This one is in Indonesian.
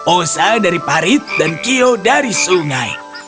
osa dari parit dan kio dari sungai